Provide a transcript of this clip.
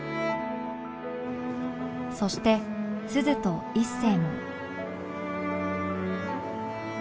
そして鈴と一星も